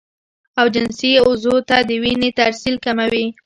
او جنسي عضو ته د وينې ترسيل کموي